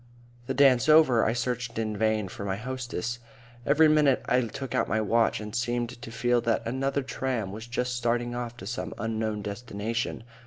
The dance over, I searched in vain for my hostess. Every minute I took out my watch and seemed to feel that another tram was just starting off to some unknown destination.